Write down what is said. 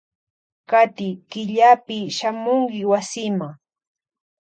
Kati killapi shamunki wasima.